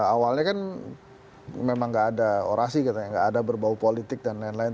awalnya kan memang tidak ada orasi tidak ada berbau politik dan lain lain